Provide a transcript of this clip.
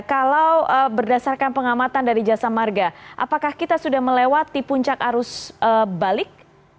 kalau berdasarkan pengamatan dari jasa marga apakah kita sudah melewati puncak arus balik